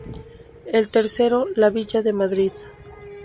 El tercero la Villa de Madrid.